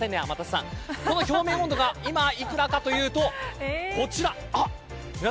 この表面温度が今、いくらかというとこちら。